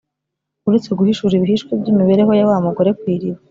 uretse guhishura ibihishwe by’imibereho ya wa mugore ku iriba